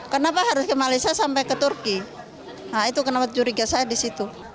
kenapa harus ke malaysia sampai ke turki nah itu kenapa curiga saya di situ